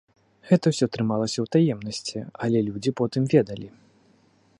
Гэта ўсё трымалася ў таемнасці, але людзі потым ведалі.